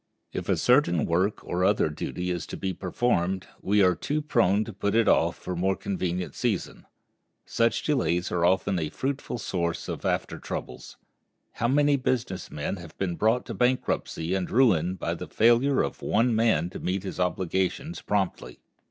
If a certain work or other duty is to be performed, we are too prone to put it off for a more convenient season. Such delays are often a fruitful source of after troubles. How many business men have been brought to bankruptcy and ruin by the failure of one man to meet his obligations promptly!